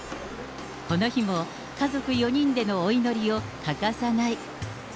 この日も家族４人でのお祈りを欠かさない。